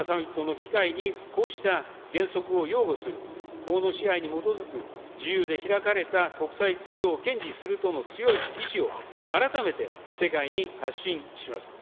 広島サミットの機会にこうした原則を擁護する、法の支配に基づく自由で開かれた国際秩序を堅持するとの強い意志を改めて世界に発信します。